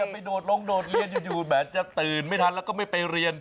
ไปโดดลงโดดเรียนอยู่แม้จะตื่นไม่ทันแล้วก็ไม่ไปเรียน